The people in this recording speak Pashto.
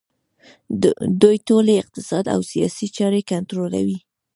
دوی ټولې اقتصادي او سیاسي چارې کنټرولوي